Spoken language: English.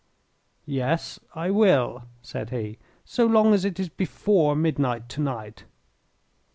"Yes, I will," said he, "so long as it is before midnight to night."